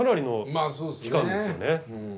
まぁそうですね。